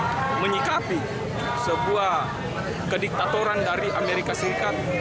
bagi mana menyikapi sebuah kediktatoran dari amerika serikat